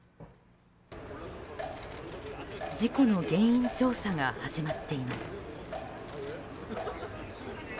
事故の原因調査が始まっています。